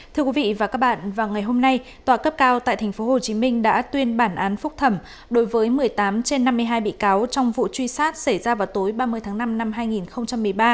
thưa quý vị và các bạn vào ngày hôm nay tòa cấp cao tại tp hcm đã tuyên bản án phúc thẩm đối với một mươi tám trên năm mươi hai bị cáo trong vụ truy sát xảy ra vào tối ba mươi tháng năm năm hai nghìn một mươi ba